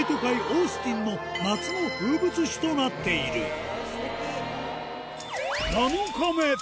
オースティンの夏の風物詩となっているすてき！